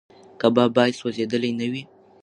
کباب باید سوځېدلی نه وي.